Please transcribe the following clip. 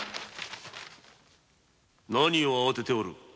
・何を慌てておる。